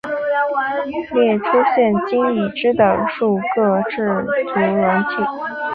列出现今已知的数个制图软体